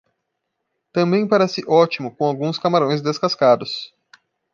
Também parece ótimo com alguns camarões descascados.